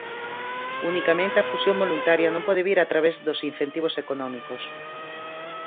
Unicamente a fusión voluntaria non pode vir a través dos incentivos económicos.